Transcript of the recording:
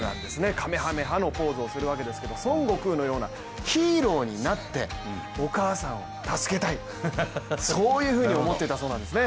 かめはめ波のポーズをするんですが孫悟空のようなヒーローになってお母さんを助けたい、そういうふうに思っていたそうなんですね。